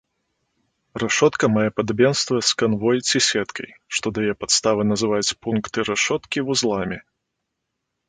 Рашотка мае падабенства з канвой ці сеткай, што дае падставы называць пункты рашоткі вузламі.